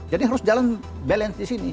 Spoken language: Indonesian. jadi harus jalan balance di sini